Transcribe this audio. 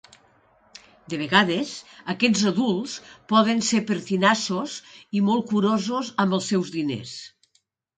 De vegades, aquests adults poden ser pertinaços i molt curosos amb els seus diners.